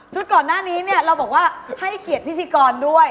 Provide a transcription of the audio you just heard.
ก่อนหน้านี้เนี่ยเราบอกว่าให้เกียรติพิธีกรด้วย